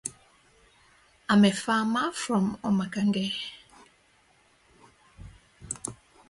He then started producing movies.